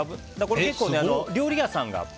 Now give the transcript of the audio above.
結構、料理屋さん